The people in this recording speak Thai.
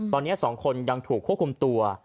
ตอนนี้๒คนยังถูกควบคุมตัว